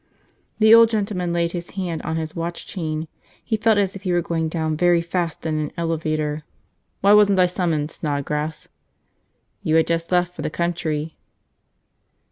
The old gentleman laid his hand on his watch chain. He felt as if he were going down very fast in an elevator. "Why wasn't I summoned, Snodgrass?" "You had just left for the country."